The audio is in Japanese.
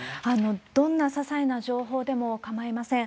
どんな些細な情報でもかまいません。